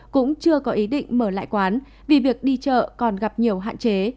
cũng chưa có ý định mở lại quán vì việc đi chợ còn gặp nhiều hạn chế